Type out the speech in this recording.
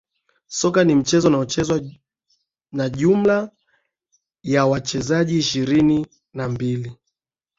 Soka ni mchezo unaochezwa na jumla ya wachezaji ishirini na mbili